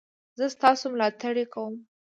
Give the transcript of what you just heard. زه ستاسو ملاتړ کوم